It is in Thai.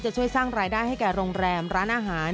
ช่วยสร้างรายได้ให้แก่โรงแรมร้านอาหาร